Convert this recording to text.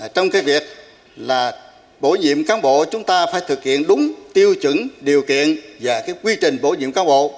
trong việc bổ nhiệm cán bộ chúng ta phải thực hiện đúng tiêu chuẩn điều kiện và quy trình bổ nhiệm cán bộ